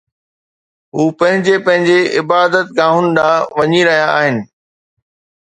هو پنهنجي پنهنجي عبادت گاهن ڏانهن وڃي رهيا آهن